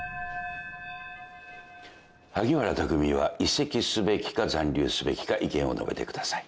萩原匠は移籍すべきか残留すべきか意見を述べてください。